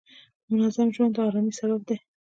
منظم ژوند د آرامۍ سبب دی.